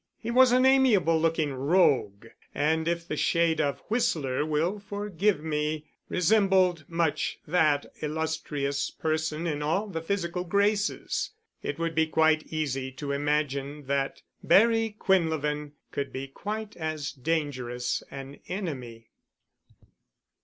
He was an amiable looking rogue, and if the shade of Whistler will forgive me, resembled much that illustrious person in all the physical graces. It would be quite easy to imagine that Barry Quinlevin could be quite as dangerous an enemy.